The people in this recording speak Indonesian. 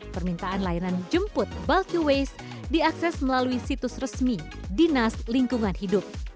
permintaan layanan jemput bulky waste diakses melalui situs resmi dinas lingkungan hidup